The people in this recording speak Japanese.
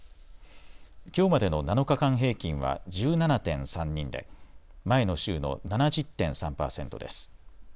きょうまでの７日間平均は１７．３人で、前の週の７０．３％です。